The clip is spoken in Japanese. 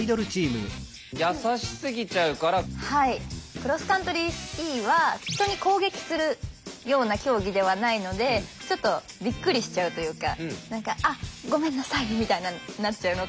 クロスカントリースキーは人に攻撃するような競技ではないのでちょっとびっくりしちゃうというか何か「あっごめんなさい」みたいななっちゃうのかなっていう。